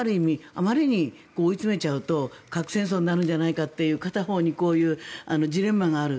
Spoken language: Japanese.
あまりに追い詰めちゃうと核戦争になるんじゃないかという片方にジレンマがある。